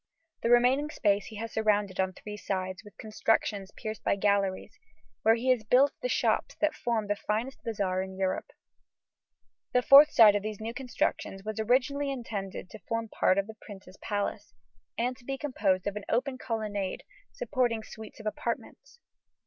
The remaining space he has surrounded on three sides with constructions pierced by galleries, where he has built the shops that form the finest bazaar in Europe. The fourth side of these new constructions was originally intended to form part of the Prince's palace, and to be composed of an open colonnade supporting suites of apartments.